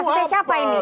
ini maksudnya siapa ini